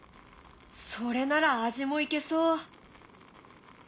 それなら味もいけそう。